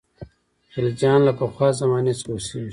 خلجیان له پخوا زمانې څخه اوسېږي.